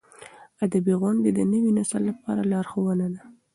ادبي غونډې د نوي نسل لپاره لارښوونه ده.